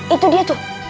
itu dia tuh